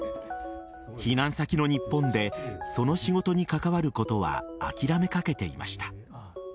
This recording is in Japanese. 避難先の日本でその仕事に関わることは諦めかけていました。